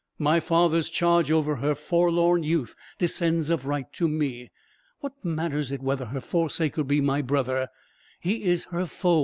My father's charge over her forlorn youth descends of right to me. What matters it whether her forsaker be my brother? He is her foe.